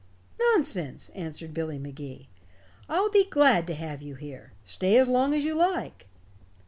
"Nonsense," answered Billy Magee. "I'll be glad to have you here. Stay as long as you like."